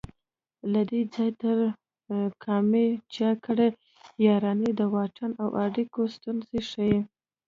له دې ځای تر کامې چا کړي یارانې د واټن او اړیکو ستونزې ښيي